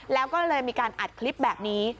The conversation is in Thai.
แล้วก็เลยมีการอัดคลิปแบบนี้